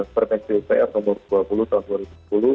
pertempuran pr nomor dua puluh tahun dua ribu sepuluh